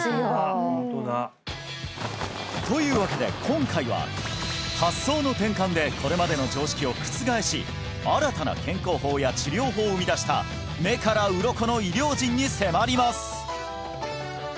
ホントだホントだというわけで今回は発想の転換でこれまでの常識を覆し新たな健康法や治療法を生み出した目からウロコの医療人に迫ります